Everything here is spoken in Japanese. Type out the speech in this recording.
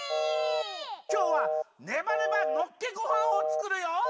きょうはねばねばのっけごはんをつくるよ！